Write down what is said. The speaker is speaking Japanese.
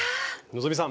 希さん